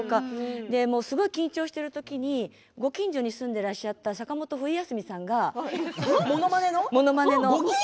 緊張しているときにご近所に住んでいらしたと坂本冬休みさんが、ものまねのね